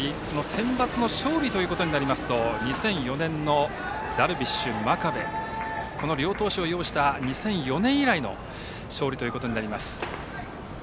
センバツの勝利となりますと２００４年のダルビッシュ、真壁両投手を擁した２００４年以来の勝利となります。